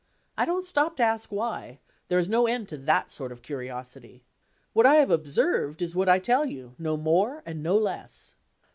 I don't stop to ask why: there is no end to that sort of curiosity. What I have observed is what I tell you; no more and no less.